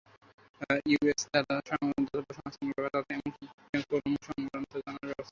US দাতব্য সংস্থাগুলোর ব্যাপারে তথ্য, এমনকি ক্রম সম্পর্কে জানার ব্যবস্থা রয়েছে।